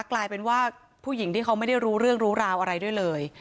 กลายเป็นว่าผู้หญิงที่เขาไม่ได้รู้เรื่องรู้ราวอะไรด้วยเลย